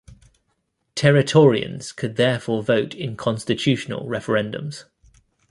Territorians could therefore vote in constitutional referendums.